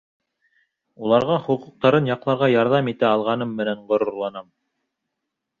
Уларға хоҡуҡтарын яҡларға ярҙам итә алғаным менән ғорурланам.